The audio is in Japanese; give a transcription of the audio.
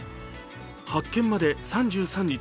発見まで３３日。